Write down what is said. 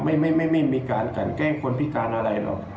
ไม่มีการกันแกล้งคนพิการอะไรหรอก